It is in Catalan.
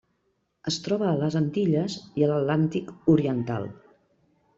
Es troba a les Antilles i a l'Atlàntic oriental.